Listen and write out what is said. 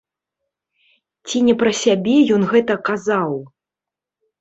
Ці не пра сябе ён гэта казаў?